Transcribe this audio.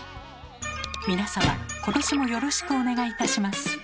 皆様今年もよろしくお願いいたします。